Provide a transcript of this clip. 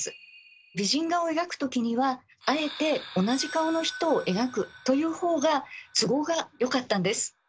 美人画を描くときにはあえて同じ顔の人を描くというほうが都合がよかったんです。